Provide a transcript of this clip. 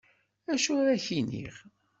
Acu ara ak-iniɣ.